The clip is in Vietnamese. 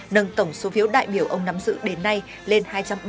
nâng tổng số phiếu đại biểu ông nắm giữ đến nay lên hai trăm bảy mươi sáu